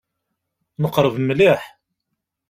Neqreb mliḥ.